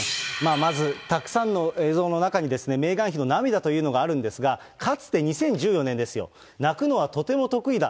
まずたくさんの映像の中に、メーガン妃の涙というのがあるんですが、かつて２０１４年ですよ、泣くのはとても得意だ。